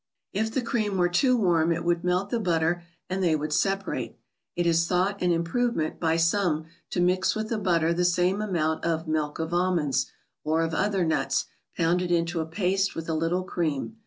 If the cream were too warm, it would melt the butter and they would separate. It is thought an im¬ provement, by some, to mix with the butter the same amount of " Milk of Almonds," or of other nuts, pounded into a paste with a little cream.